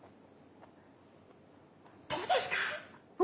どうですか？